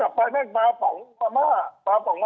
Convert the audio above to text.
ถามว่าเงิน๕๐๐๐บาทมันไม่เยอะหรอก